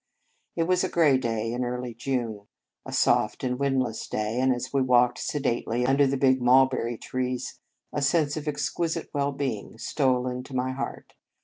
It was a grey day in early June, a soft and windless day, and, as we walked sedately under the big mulberry trees, a sense of exquisite well being stole into my heart.